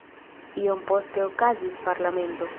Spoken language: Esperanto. Iom poste okazis parlamento.